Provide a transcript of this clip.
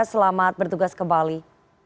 selamat bertugas kembali